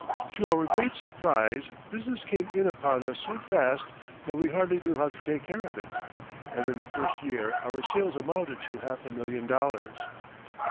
To our great surprise, business came in upon us so fast that we hardly knew how to take care of it, and in the first year our sales amounted to half a million dollars.